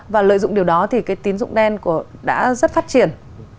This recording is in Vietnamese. và lợi dụng điều đó thì cái tín dụng đen đã rất phát triển